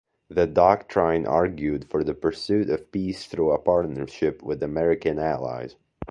The Doctrine argued for the pursuit of peace through a partnership with American allies.